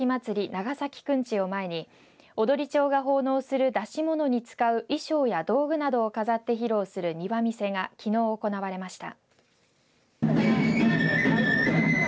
長崎くんちを前に踊町が奉納する演し物に使う衣装や道具などを飾って披露する庭見世がきのう行われました。